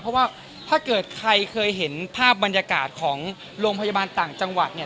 เพราะว่าถ้าเกิดใครเคยเห็นภาพบรรยากาศของโรงพยาบาลต่างจังหวัดเนี่ย